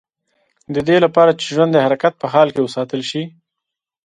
د دې لپاره چې ژوند د حرکت په حال کې وساتل شي.